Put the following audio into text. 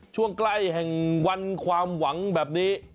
ช่วงใกล้แห่งวันความหวังแบบนี้